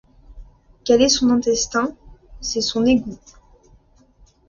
Quel est son intestin? c’est son égout.